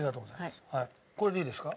これでいいですか？